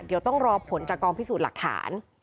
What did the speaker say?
เดี๋ยวต้องรอผลจากกองพิสูจน์หลักฐาน